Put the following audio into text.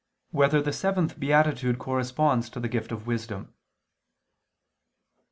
6] Whether the Seventh Beatitude Corresponds to the Gift of Wisdom?